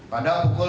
pada pukul lima belas